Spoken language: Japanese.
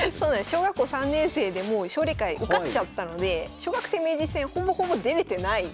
小学校３年生でもう奨励会受かっちゃったので小学生名人戦ほぼほぼ出れてない。